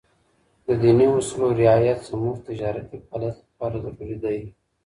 د ديني اصولو رعایت زموږ د تجارتي فعالیت لپاره ضروري دی.